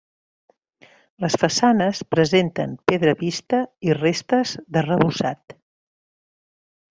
Les façanes presenten pedra vista i restes d'arrebossat.